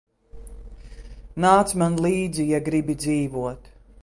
Nāc man līdzi, ja gribi dzīvot.